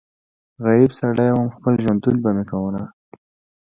غريب سړی ووم خپل ژوندون به مې کوونه